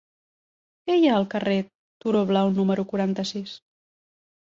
Què hi ha al carrer del Turó Blau número quaranta-sis?